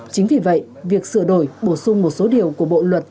chính vì vậy việc sửa đổi bổ sung một số điều của bộ luật